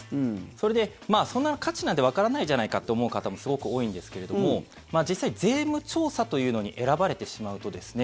それで、そんな価値なんてわからないじゃないかと思う方もすごく多いんですけれども実際、税務調査というのに選ばれてしまうとですね